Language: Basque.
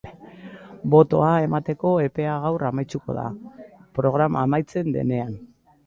Botoa emateko epea gaur amaituko da, programa amaitzen denean.